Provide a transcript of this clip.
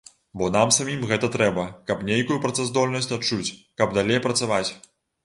Бо нам самім гэта трэба, каб нейкую працаздольнасць адчуць, каб далей працаваць.